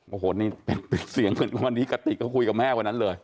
โอ้โหนี่เป็นเสียงเหมือนวันนี้กติกก็คุยกับแม่วันนั้นเลย